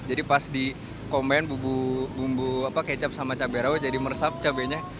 jadi pas dikombain bumbu kecap sama cabai rawit jadi meresap cabainya